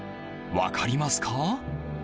分かりますか？